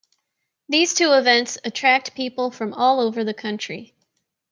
These two events attract people from all over the country.